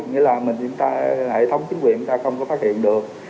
nghĩa là hệ thống chính quyền chúng ta không có phát hiện được